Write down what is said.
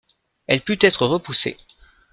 Elle put être repoussée.